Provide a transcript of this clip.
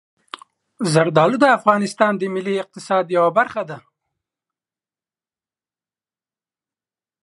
زردالو د افغانستان د ملي اقتصاد یوه برخه ده.